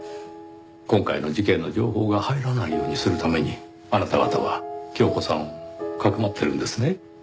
今回の事件の情報が入らないようにするためにあなた方は恭子さんをかくまってるんですね？